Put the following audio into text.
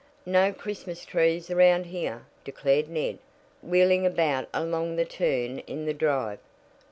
"No Christmas trees around here," declared Ned, wheeling about along the turn in the drive.